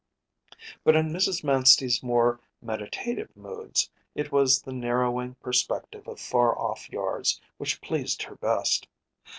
But in Mrs. Manstey’s more meditative moods it was the narrowing perspective of far off yards which pleased her best.